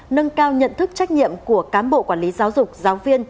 nâng cao nhận thức trách nhiệm của cán bộ quản lý giáo dục giáo viên